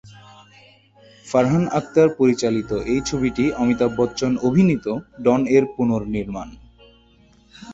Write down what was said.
ফারহান আখতার পরিচালিত এই ছবিটি অমিতাভ বচ্চন অভিনীত "ডন" এর পুনর্নির্মাণ।